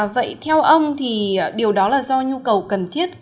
vậy theo ông thì điều đó là do nhu cầu cần thiết